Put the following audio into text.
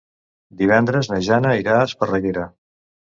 Divendres na Jana irà a Esparreguera.